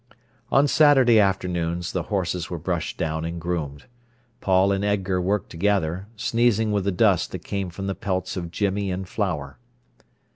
On Saturday afternoons the horses were brushed down and groomed. Paul and Edgar worked together, sneezing with the dust that came from the pelts of Jimmy and Flower.